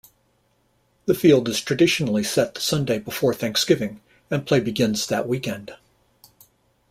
The field is traditionally set the Sunday before Thanksgiving and play begins that weekend.